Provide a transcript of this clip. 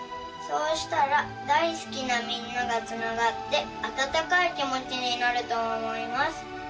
「そうしたら大すきなみんながつながってあたたかいきもちになるとおもいます」